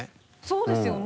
そうですよね。